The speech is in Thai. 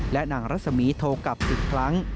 และนางรัสมีโทรกลับ๑๐ครั้ง